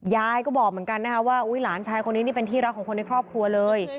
ยายก็บอกเหมือนกันนะคะว่าอุ๊ยหลานชายคนนี้นี่เป็นที่รักของคนในครอบครัวเลย